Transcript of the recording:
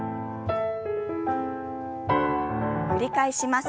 繰り返します。